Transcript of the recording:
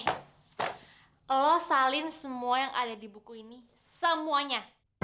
lo salin semua yang ada di buku ini semuanya